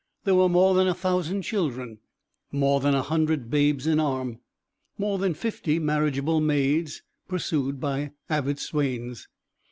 There were more than a thousand children, more than a hundred babes in arm, more than fifty marriageable maids pursued by avid swains.